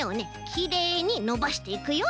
きれいにのばしていくよ。